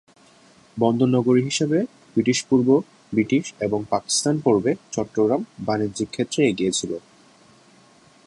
বন্দর নগরী হিসাবে ব্রিটিশ-পূর্ব, ব্রিটিশ এবং পাকিস্তান পর্বে চট্টগ্রাম বাণিজ্যিক ক্ষেত্রে এগিয়ে ছিল।